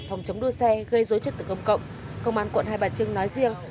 phòng chống đua xe gây rối rối trất tự công cộng công an quận hai bà trưng nói riêng